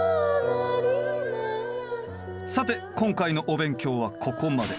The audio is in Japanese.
さて今回のお勉強はここまで。